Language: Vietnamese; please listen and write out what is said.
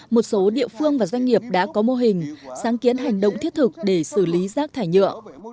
một số địa phương và doanh nghiệp đã có mô hình sáng kiến hành động thiết thực để xử lý rác thải nhựa